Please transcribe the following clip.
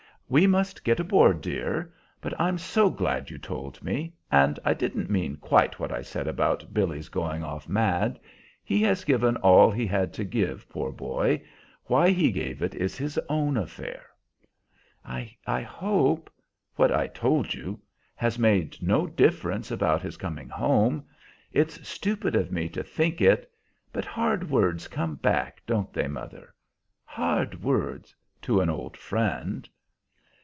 "We must get aboard, dear. But I'm so glad you told me! And I didn't mean quite what I said about Billy's 'going off mad.' He has given all he had to give, poor boy; why he gave it is his own affair." "I hope what I told you has made no difference about his coming home. It's stupid of me to think it. But hard words come back, don't they, mother? Hard words to an old friend!"